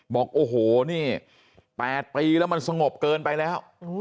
บอกโอ้โหนี่๘ปีแล้วมันสงบเกินไปแล้ว